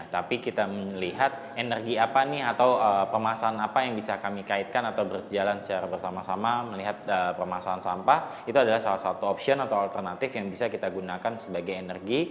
tapi kita melihat energi apa nih atau permasalahan apa yang bisa kami kaitkan atau berjalan secara bersama sama melihat permasalahan sampah itu adalah salah satu opsion atau alternatif yang bisa kita gunakan sebagai energi